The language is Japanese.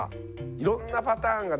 いろんなパターンがね